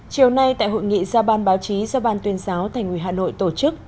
chiều nay tại hội nghị gia ban báo chí gia ban tuyên giáo thành ủy hà nội tổ chức